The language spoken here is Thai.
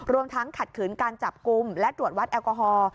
รวมทั้งขัดขืนการจับกลุ่มและตรวจวัดแอลกอฮอล์